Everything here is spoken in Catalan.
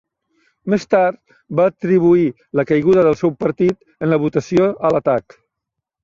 Més tard, va atribuir la caiguda del seu partit en la votació a l'atac.